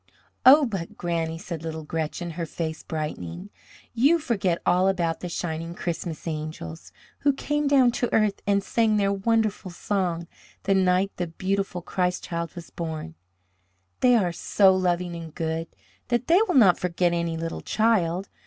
"Oh, but, Granny," said little Gretchen, her face brightening, "you forget all about the shining Christmas angels, who came down to earth and sang their wonderful song the night the beautiful Christ Child was born! They are so loving and good that they will not forget any little child.